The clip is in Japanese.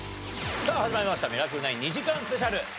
さあ始まりました『ミラクル９』２時間スペシャル。